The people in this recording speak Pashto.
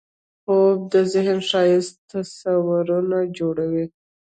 خوب د ذهن ښایسته تصویرونه جوړوي